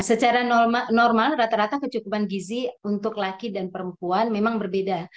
secara normal rata rata kecukupan gizi untuk laki dan perempuan memang berbeda